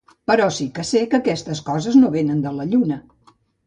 Però sí que sé que aquestes coses no vénen de la lluna.